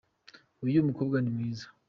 Uyu mukobwa nimwiza.